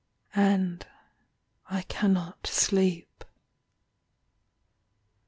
And I cannot sleep.